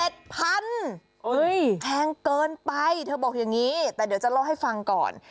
แพงเกินไปเธอบอกอย่างนี้แต่เดี๋ยวจะเล่าให้ฟังก่อน